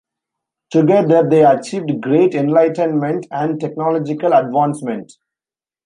Together they achieved great enlightenment and technological advancement.